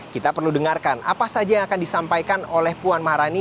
kita perlu dengarkan apa saja yang akan disampaikan oleh puan maharani